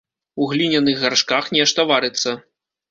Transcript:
У гліняных гаршках нешта варыцца.